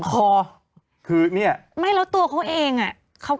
โหยวายโหยวายโหยวายโหยวายโหยวาย